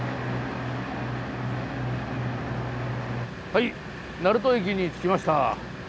はい鳴門駅に着きました。